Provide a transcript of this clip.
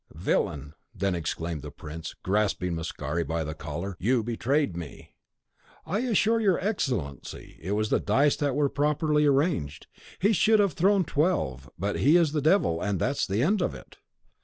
"Villain!" then exclaimed the prince, grasping Mascari by the collar, "you betrayed me!" "I assure your Excellency that the dice were properly arranged; he should have thrown twelve; but he is the Devil, and that's the end of it."